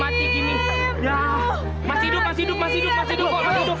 masih hidup masih hidup masih hidup